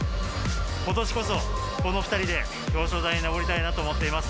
今年こそこの２人で表彰台に上りたいなと思っています。